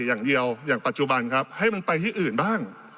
อย่างเดียวอย่างปัจจุบันครับให้มันไปที่อื่นบ้าง